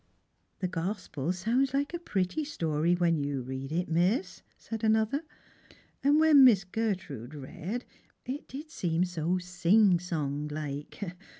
"The Gospel sounds like a pretty story, when you read it, miss," sfiid another ;" and when Miss Gertrude read, it did seem 80 sing song like.